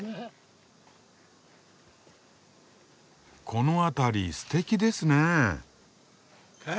この辺りすてきですね。